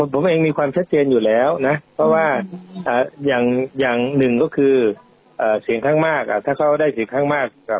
เผาเชื่อว่าเบึกอะไม่รู้ชอบผู้ขัดของเค้า